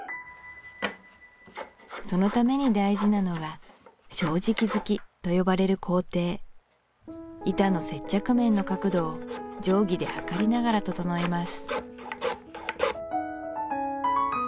そのために大事なのが正直突きと呼ばれる工程板の接着面の角度を定規で測りながら整えます